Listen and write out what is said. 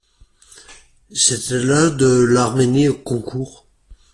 C'était la de l'Arménie au concours.